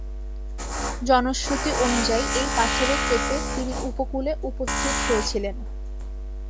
জনশ্রুতি অনুযায়ী এই পাথরে চেপে তিনি উপকূলে উপস্থিত হয়েছিলেন।